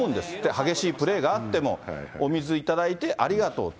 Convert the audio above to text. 激しいプレーがあっても、お水頂いて、ありがとうって。